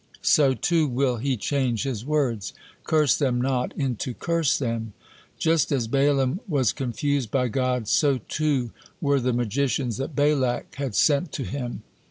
So too will He change His words, 'Curse them not,' into 'Curse them.'" Just as Balaam was confused by God, so too were the magicians that Balak had sent to him.